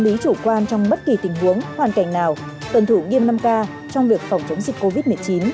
lý chủ quan trong bất kỳ tình huống hoàn cảnh nào tuần thủ nghiêm năm k trong việc phòng chống dịch covid một mươi chín